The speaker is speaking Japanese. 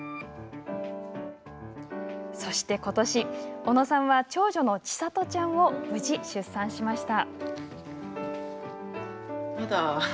そして、ことし小野さんは長女の知怜ちゃんを無事、出産しました。